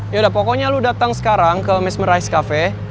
yaudah pokoknya lu datang sekarang ke mesmerize cafe